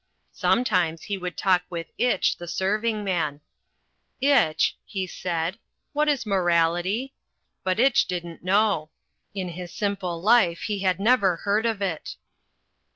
Sometimes he would talk with Itch, the serving man. "Itch," he asked, "what is morality?" But Itch didn't know. In his simple life he had never heard of it.